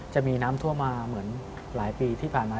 จะมีน้ำท่วมมาเหมือนหลายปีที่ผ่านมา